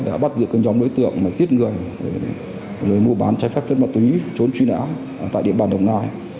đã bắt giữ các nhóm đối tượng giết người mua bán trái phép chất ma túy trốn truy nã tại địa bàn đồng nai